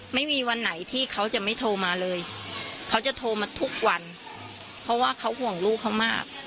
ไม่มีวันไหนที่เขาจะไม่โทรมาเลยเขาจะโทรมาทุกวันเพราะว่าเขาห่วงลูกเขามาก